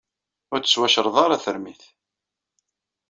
Ur d-tettwacreḍ ara termit.